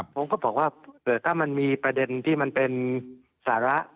ผมก็บอกว่าเผื่อถ้ามันมีประเด็นที่มันเป็นสาระ